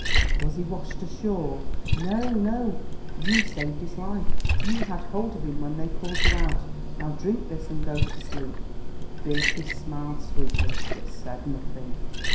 "Was he washed ashore?" "No, no. You saved his life. You had hold of him when they pulled you out. Now drink this and go to sleep." Beatrice smiled sweetly, but said nothing.